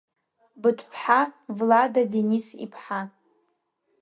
Быҭә-ԥҳа Влада Денис-иԥҳа.